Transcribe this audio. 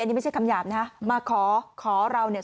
นี่ไม่ใช่คำหยาบนะมาขอขอเราเนี่ย